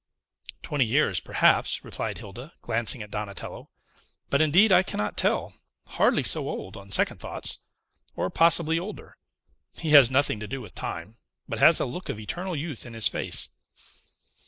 "Twenty years, perhaps," replied Hilda, glancing at Donatello; "but, indeed, I cannot tell; hardly so old, on second thoughts, or possibly older. He has nothing to do with time, but has a look of eternal youth in his face."